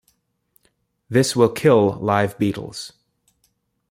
This will kill live beetles.